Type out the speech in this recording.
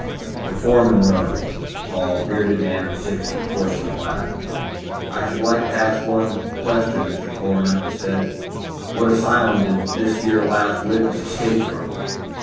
The foreman rose a tall, bearded man of sixty, coarsely clad. "I should like to ask one question, Mr. Coroner," he said. "What asylum did this yer last witness escape from?"